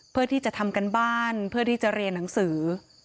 เพื่อที่จะทำการบ้านเพื่อที่จะเรียนหนังสือ